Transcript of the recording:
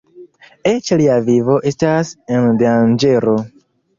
Eĉ lia vivo estas en danĝero.